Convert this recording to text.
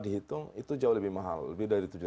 dihitung itu jauh lebih mahal lebih dari